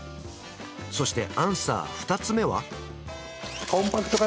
そしてアンサー二つ目は？